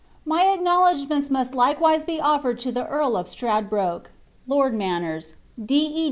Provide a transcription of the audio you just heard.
My acknowledgments must likewise be otfered to the Earl of Strad oroke. Lord Mimnera, D. E.